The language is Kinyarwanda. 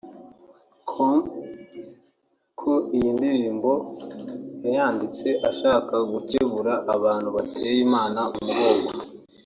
com ko iyi ndirimbo yayanditse ashaka gukebura abantu bateye Imana umugongo